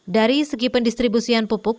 dari segi pendistribusian pupuk